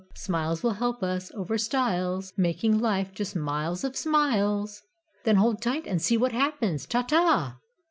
Smiles will help us Over stiles, Making life Just miles of Smiles! Then hold tight, and see what happens. Ta ta!"